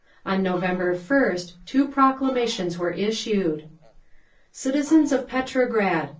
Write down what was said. On November 1st two proclamations were issued: "CITIZENS OF PETROGRAD!